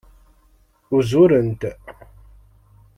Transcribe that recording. Uzurent.